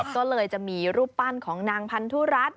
ก็เลยจะมีรูปปั้นของนางพันธุรัฐ